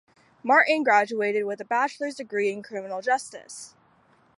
Martin graduated with a Bachelor's Degree in Criminal Justice.